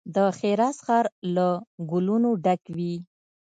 د شیراز ښار له ګلو نو ډک وي.